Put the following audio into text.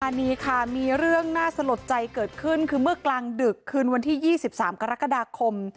อันนี้ค่ะมีเรื่องน่าสลดใจเกิดขึ้นคือเมื่อกลางดึกคืนวันที่๒๓กรกฎาคม